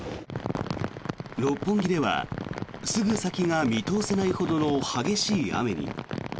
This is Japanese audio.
六本木ではすぐ先が見通せないほどの激しい雨に。